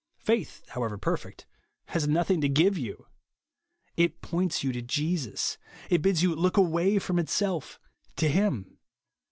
Faith, however perfect, has nothing to give you. It points you to Jesus. It bids you look away from itself to Him.